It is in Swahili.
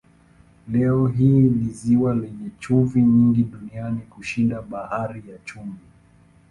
Leo hii ni ziwa lenye chumvi nyingi duniani kushinda Bahari ya Chumvi.